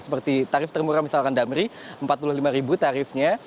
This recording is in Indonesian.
seperti tarif termurah misalkan damri rp empat puluh lima ribu tarifnya